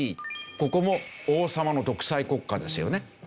ここも王様の独裁国家ですよね。